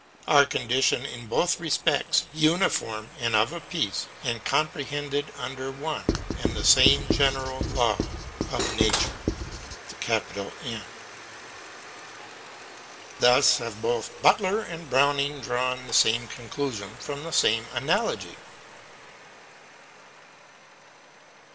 Our condition in both respects uniform and of a piece, and comprehended under one and the same general law of Nature. Thus have both Butler and Browning drawn the same conclusion from the same analogy.